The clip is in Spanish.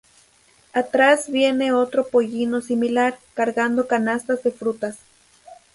Atrás viene otro pollino similar, cargando canastas de frutas.